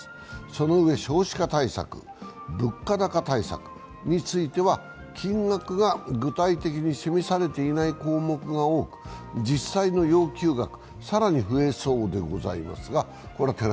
そのうえ少子化対策、物価高対策については金額が具体的に示されていない項目が多く、実際の要求額、更に増えそうでございます。